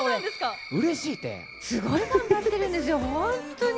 すごい頑張ってるんですよ、本当に。